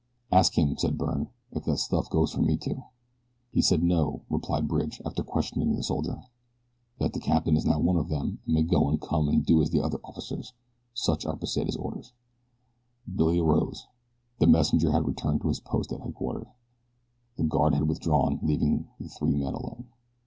"Ask him," said Byrne, "if that stuff goes for me, too." "He says no," replied Bridge after questioning the soldier, "that the captain is now one of them, and may go and come as do the other officers. Such are Pesita's orders." Billy arose. The messenger had returned to his post at headquarters. The guard had withdrawn, leaving the three men alone.